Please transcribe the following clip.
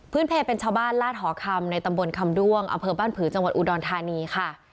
เพลเป็นชาวบ้านลาดหอคำในตำบลคำด้วงอำเภอบ้านผือจังหวัดอุดรธานีค่ะ